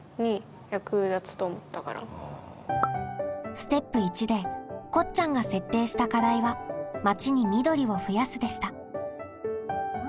ステップ①でこっちゃんが設定した課題は「町に緑を増やす」でした。